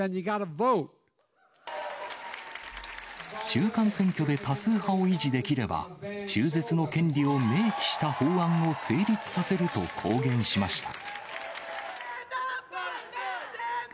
中間選挙で多数派を維持できれば、中絶の権利を明記した法案を成立させると公言しました。